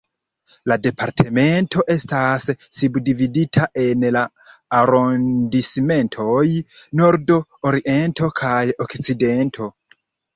La Departemento estas subdividita en la arondismentoj "nordo", "oriento" kaj "okcidento".